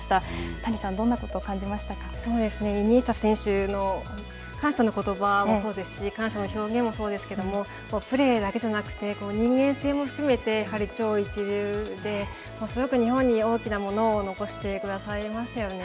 谷さん、どんなことを感じましたイニエスタ選手の感謝のことばもそうですし感謝の表現もそうですけれども、プレーだけじゃなくて、人間性も含めて超一流ですごく日本に大きなものを残してくださいましたよね。